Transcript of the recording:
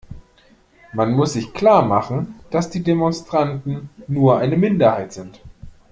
Man muss sich klarmachen, dass die Demonstranten nur eine Minderheit sind.